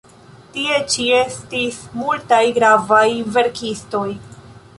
Tie ĉi estis multaj gravaj verkistoj.